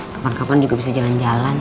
kapan kapan juga bisa jalan jalan